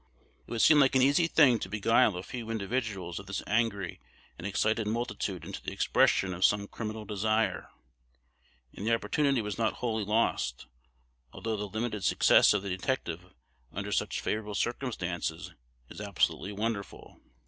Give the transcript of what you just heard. It would seem like an easy thing to beguile a few individuals of this angry and excited multitude into the expression of some criminal desire; and the opportunity was not wholly lost, although the limited success of the detective under such favorable circumstances is absolutely wonderful.